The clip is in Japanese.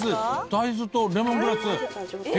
大豆とレモングラス。